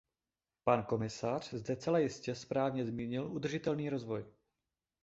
Pan komisař zde zcela správně zmínil udržitelný rozvoj.